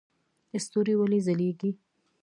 ستوري ولې ځلیږي؟